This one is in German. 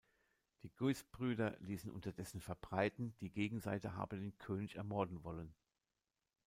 Die Guise-Brüder ließen unterdessen verbreiten, die Gegenseite habe den König ermorden wollen.